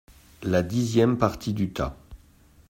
La dixième partie du tas.